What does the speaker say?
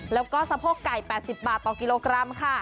แล้วก็สะโพกไก่๘๐บาทต่อกิโลกรัมค่ะ